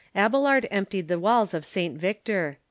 Abelard emptied the walls of St. Victor.